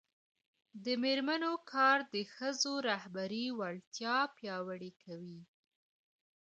د میرمنو کار د ښځو رهبري وړتیا پیاوړې کوي.